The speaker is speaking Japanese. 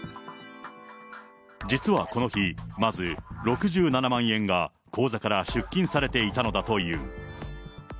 実はこの日、まず、６７万円が口座から出金されていたのだという。